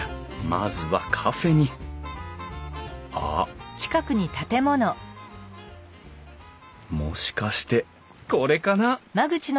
まずはカフェにあっもしかしてこれかな？